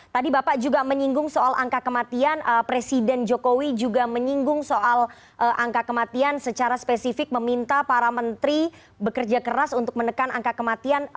tadi bapak juga menyinggung soal angka kematian presiden jokowi juga menyinggung soal angka kematian secara spesifik meminta para menteri bekerja keras untuk menekan angka kematian